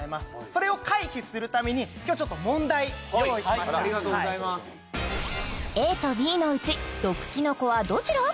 それを回避するために今日ちょっと問題用意しましたありがとうございますＡとＢのうち毒きのこはどちら？